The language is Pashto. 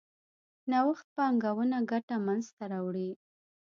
نوښت پانګونه ګټه منځ ته راوړي.